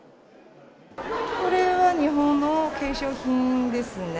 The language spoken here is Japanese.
これは日本の化粧品ですね。